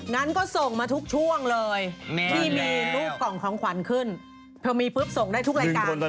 นั้นก็ส่งมาทุกช่วงเลยที่มีรูปกล่องของขวัญขึ้นเธอมีปุ๊บส่งได้ทุกรายการเลย